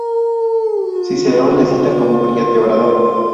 Cicerón le cita como un brillante orador.